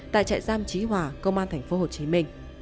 tại trại giam trí hỏa công an tp hcm